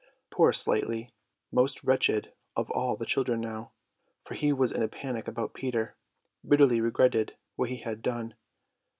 Poor Slightly, most wretched of all the children now, for he was in a panic about Peter, bitterly regretted what he had done.